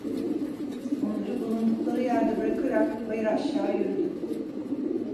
Onları bulundukları yerde bırakarak bayır aşağı yürüdüm.